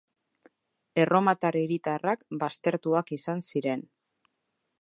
Erromatar hiritarrak baztertuak izan ziren.